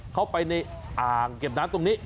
เข้าไปในอ่างเก็บน้ำตรงนี้